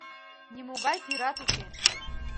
Нимогай пират уке.